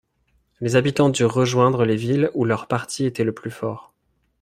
Les habitants durent rejoindre les villes où leur parti était le plus fort.